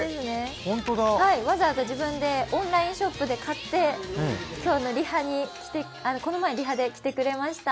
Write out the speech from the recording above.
わざわざ自分でオンラインショップで買ってこの前のリハで着てくれました。